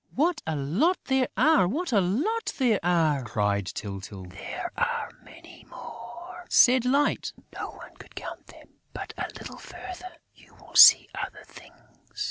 "What a lot there are! What a lot there are!" cried Tyltyl. "There are many more," said Light. "No one could count them. But go a little further: you will see other things."